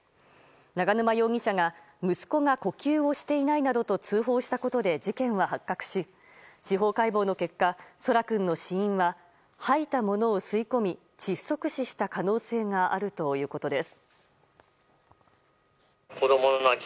永沼容疑者が息子が呼吸をしていないなどと通報をしたことで事件は発覚し、司法解剖の結果奏良君の死因は吐いたものを吸い込み窒息死した可能性があるということです。